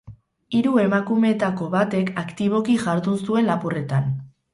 Hiru emakumeetako batek aktiboki jardun zuen lapurretan.